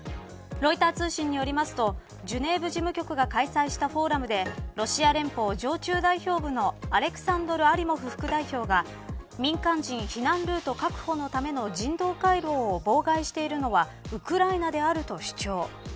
ロイター通信によりますとジュネーブ事務局が開催したフォーラムでロシア連邦常駐代表部のアレクサンドル・アリモフ副代表が民間人避難ルート確保のための人道回廊を妨害しているのはウクライナであると主張。